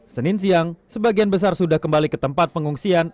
senin siang sebagian besar sudah kembali ke tempat pengungsian